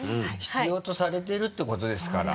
必要とされてるってことですから。